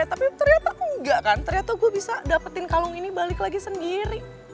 tapi ternyata aku enggak kan ternyata gue bisa dapetin kalung ini balik lagi sendiri